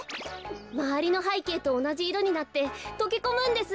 まわりのはいけいとおなじいろになってとけこむんです。